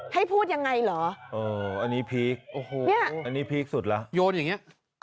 ให้พูดยังไงเหรอโอ้โหอันนี้พีคสุดละโยนอย่างนี้